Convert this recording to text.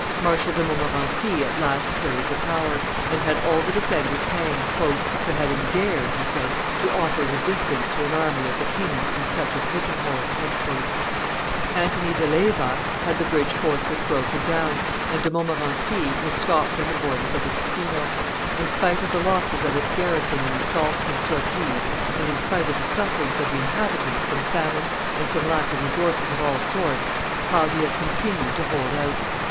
Marshal de Montmorency at last carried the tower, and had all the defenders hanged "for having dared," he said, "to offer resistance to an army of the king's in such a pigeon hole." Antony de Leyva had the bridge forthwith broken down, and De Montmorency was stopped on the borders of the Ticino. In spite of the losses of its garrison in assaults and sorties, and in spite of the sufferings of the inhabitants from famine and from lack of resources of all sorts, Pavia continued to hold out.